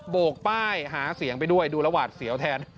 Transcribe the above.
โกกป้ายหาเสียงไปด้วยดูแล้วหวาดเสียวแทน